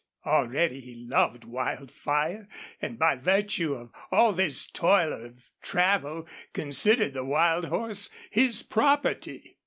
Already he loved Wildfire, and by virtue of all this toil of travel considered the wild horse his property.